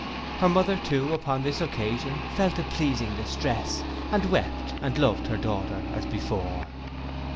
Her mother too, upon this occasion, felt a pleasing distress, and wept, and loved her daughter as before.